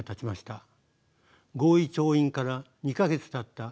合意調印から２か月たった